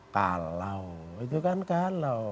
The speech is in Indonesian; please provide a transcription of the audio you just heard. kalau itu kan kalau